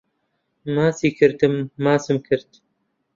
ماچی کردم ماچم کرد